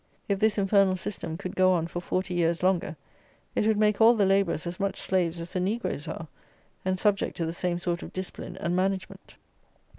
If this infernal system could go on for forty years longer, it would make all the labourers as much slaves as the negroes are, and subject to the same sort of discipline and management.